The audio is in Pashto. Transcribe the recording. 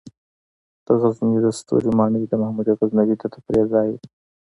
د غزني د ستوري ماڼۍ د محمود غزنوي د تفریح ځای و